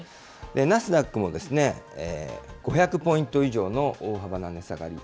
ナスダックも、５００ポイント以上の大幅な値下がり。